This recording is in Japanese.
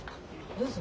どうぞ。